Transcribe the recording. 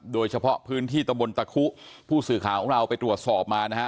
โดยเฉพาะพื้นที่ตะบนตะคุผู้สื่อข่าวของเราไปตรวจสอบมานะฮะ